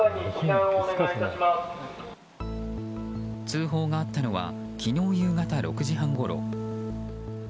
通報があったのは昨日夕方６時半ごろ。